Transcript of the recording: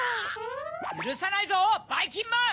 ゆるさないぞばいきんまん！